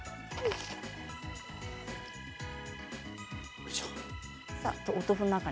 よいしょ。